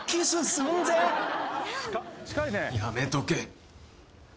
「やめとけ」